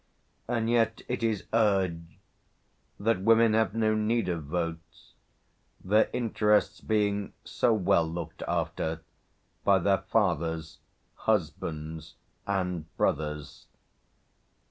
And yet it is urged that women have no need of votes, their interests being so well looked after by their fathers, husbands, and brothers!